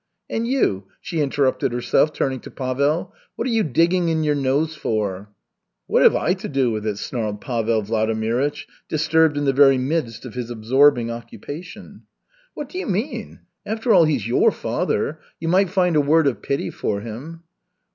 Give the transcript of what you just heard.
And you," she interrupted herself, turning to Pavel, "what are you digging in your nose for?" "What have I to do with it?" snarled Pavel Vladimirych, disturbed in the very midst of his absorbing occupation. "What do you mean? After all, he's your father. You might find a word of pity for him."